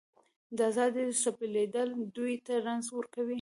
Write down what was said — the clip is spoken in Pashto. د ازادۍ سلبېدل دوی ته رنځ ورکوي.